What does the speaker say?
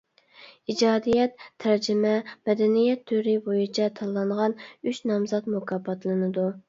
ئىجادىيەت، تەرجىمە، مەدەنىيەت تۈرى بويىچە تاللانغان ئۈچ نامزات مۇكاپاتلىنىدۇ.